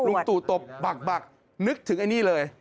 ลุงตู่ตบบักนึกถึงอันนี้เลย